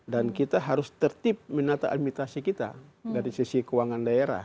dan kita harus tertib menata administrasi kita dari sisi keuangan daerah